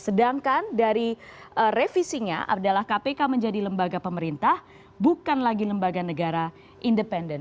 sedangkan dari revisinya adalah kpk menjadi lembaga pemerintah bukan lagi lembaga negara independen